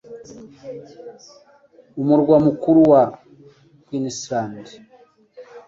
umurwa mukuru wa Queensland